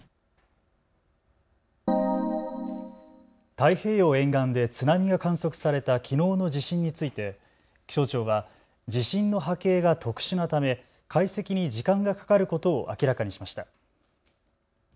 太平洋沿岸で津波が観測されたきのうの地震について気象庁は地震の波形が特殊なため解析に時間がかかることを明らかにしました。